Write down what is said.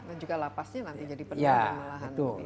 dan juga lapasnya nanti jadi penerbangan lahan